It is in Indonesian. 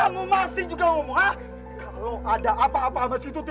musim berkosa satu tiga